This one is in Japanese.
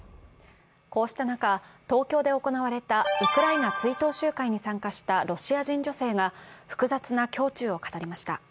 こうした中、東京で行われたウクライナ追悼集会に参加したロシア人女性が複雑な胸中を語りました。